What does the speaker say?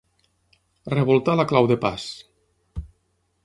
Revoltar la clau de pas.